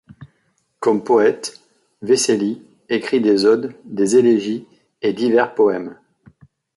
Comme poète, Wessely écrit des odes, des élégies et divers poèmes.